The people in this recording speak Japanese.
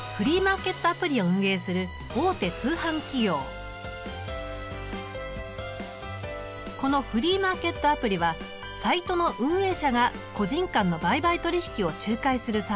こちらはこのフリーマーケットアプリはサイトの運営者が個人間の売買取引を仲介するサービス。